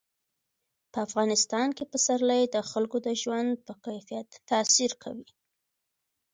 په افغانستان کې پسرلی د خلکو د ژوند په کیفیت تاثیر کوي.